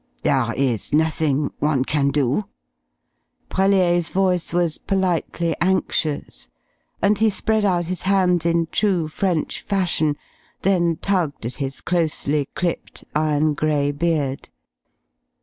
"There is nothing one can do?" Brellier's voice was politely anxious, and he spread out his hands in true French fashion then tugged at his closely clipped iron gray beard.